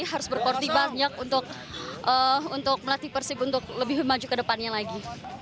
harus berporti banyak untuk melatih persib untuk lebih maju ke depannya lagi